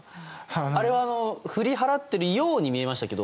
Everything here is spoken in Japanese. あれは振り払っているように見えましたけど。